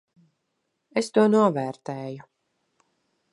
Es to novērtēju.